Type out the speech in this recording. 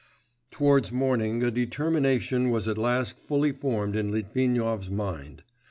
Towards morning a determination was at last fully formed in Litvinov's mind.